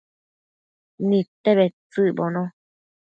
Nidte bedtsëcbono